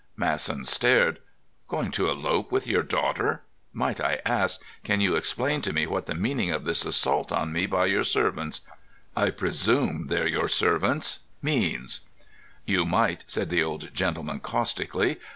Masson stared. "Going to elope with your daughter? Might I ask—can you explain to me what the meaning of this assault on me by your servants—I presume they're your servants—means?" "You might," said the old gentleman caustically.